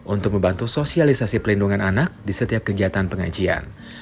untuk membantu sosialisasi pelindungan anak di setiap kegiatan pengajian